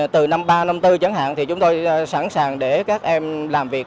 từ năm ba năm bốn chẳng hạn thì chúng tôi sẵn sàng để các em làm việc